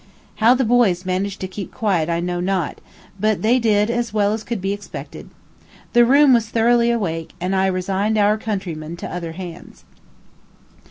How the boys managed to keep quiet, I know not; but they did as well as could be expected. The room was thoroughly awake, and I resigned our countryman to other hands.